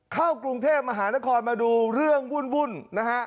เข้ากรุงเทพมหานครมาดูเรื่องวุ่นนะฮะ